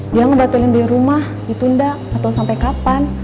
dia ngebatulin beli rumah ditunda gak tau sampe kapan